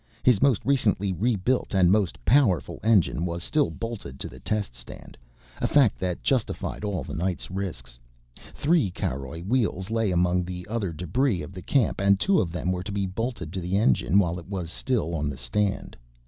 His most recently rebuilt and most powerful engine was still bolted to the test stand, a fact that justified all the night's risks. Three caroj wheels lay among the other debris of the camp and two of them were to be bolted to the engine while it was still on the stand.